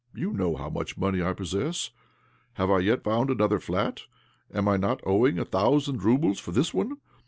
You know how much money I possess. Have I yet found another flat? And am I not owing, a thousand roubles for this one?